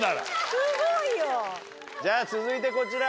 すごいよ！じゃ続いてこちら。